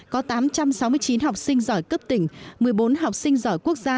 có tám trăm sáu mươi chín học sinh giỏi cấp tỉnh một mươi bốn học sinh giỏi quốc gia